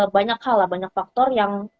banyak hal lah banyak faktor yang